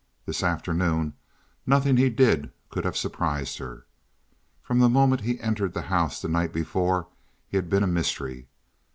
This afternoon, nothing he did could have surprised her. From the moment he entered the house the night before he had been a mystery.